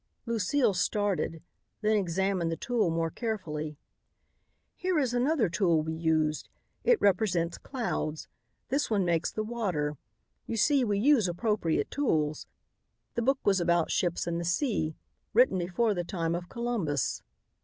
Lucile started, then examined the tool more carefully. "Here is another tool we used. It represents clouds. This one makes the water. You see we use appropriate tools. The book was about ships and the sea, written before the time of Columbus."